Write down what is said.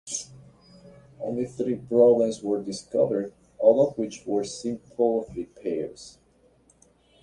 Only three problems were discovered, all of which were simple repairs.